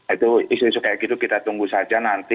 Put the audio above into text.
itu isu isu kayak gitu kita tunggu saja nanti